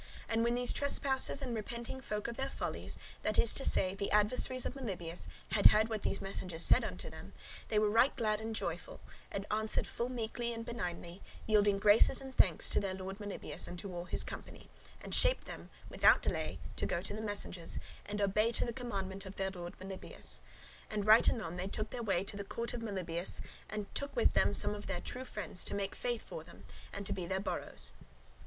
And when these trespassers and repenting folk of their follies, that is to say, the adversaries of Melibœus, had heard what these messengers said unto them, they were right glad and joyful, and answered full meekly and benignly, yielding graces and thanks to their lord Melibœus, and to all his company; and shaped them without delay to go with the messengers, and obey to the commandment of their lord Melibœus. And right anon they took their way to the court of Melibœus, and took with them some of their true friends, to make faith for them, and for to be their borrows [sureties].